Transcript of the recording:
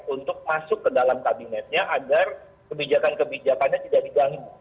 untuk masuk ke dalam kabinetnya agar kebijakan kebijakannya tidak diganggu